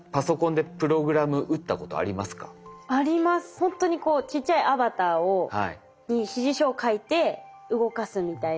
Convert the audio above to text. ほんとにこうちっちゃいアバターに指示書を書いて動かすみたいな。